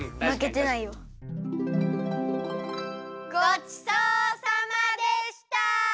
ごちそうさまでした！